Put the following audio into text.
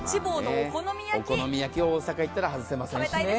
お好み焼き大阪行ったら外せません。